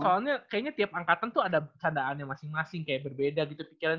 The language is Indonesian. soalnya kayaknya tiap angkatan tuh ada kecandaannya masing masing kayak berbeda gitu pikiran